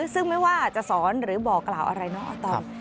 ซึ่งไม่ว่าจะสอนหรือบอกกล่าวอะไรเนาะอาตอม